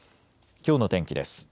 きょうの天気です。